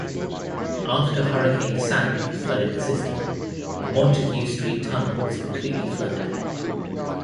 After Hurricane Sandy flooded the system, the Montague Street Tunnel was completely flooded.